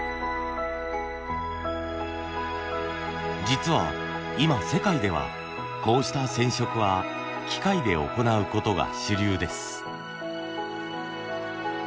実は今世界ではこうした染色は機械で行うことが主流です。